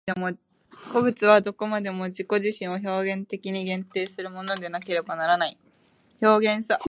個物とはどこまでも自己自身を表現的に限定するものでなければならない、表現作用的に働くものでなければならない。